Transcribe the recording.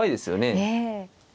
ええ。